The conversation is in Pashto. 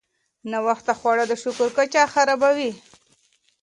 ناوخته خواړه د شکر کچه خرابوي.